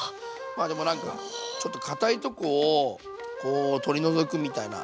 まあでもなんかちょっとかたいとこをこう取り除くみたいなイメージですかね。